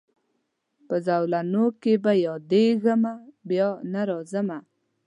په زولنو کي به یادېږمه بیا نه راځمه